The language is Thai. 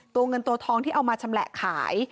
เงินตัวทองที่เอามาชำแหละขาย